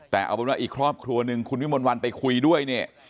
แต่เอาความว่าอีกครอบครัวคุณพี่มณวรไปคุยด้วย